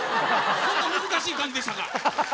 そんな難しい感じでしたか？